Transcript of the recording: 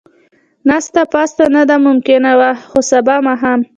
ناسته پاسته، نه دا ممکنه نه وه، خو سبا ماښام.